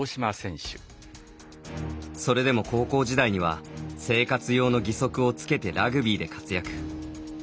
それでも高校時代には生活用の義足をつけてラグビーで活躍。